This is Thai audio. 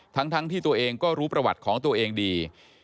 ทั้งที่ตัวเองก็รู้ประวัติของตัวเองดี